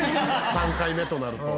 ３回目となると」